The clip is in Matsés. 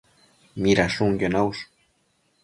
Midashunquio naush?